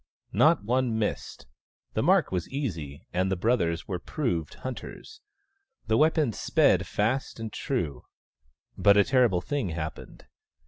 Not one missed ; the mark w^as easy, and the brothers were proved hunters. The weapons sped fast and true. But a terrible thing happened.